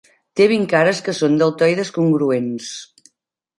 Te vint cares que són deltoides congruents.